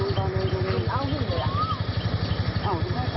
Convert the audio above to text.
มันเก็บที่น้องครับ